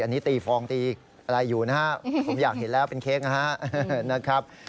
อันนี้ตีฟองตีอะไรอยู่นะครับผมอยากเห็นแล้วเป็นเค้กนะครับ